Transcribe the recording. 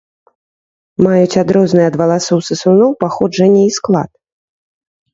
Маюць адрозныя ад валасоў сысуноў паходжанне і склад.